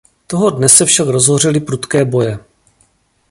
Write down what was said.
Toho dne se však rozhořely prudké boje.